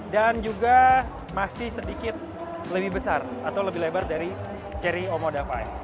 dan juga masih sedikit lebih besar atau lebih lebar dari chery omoda lima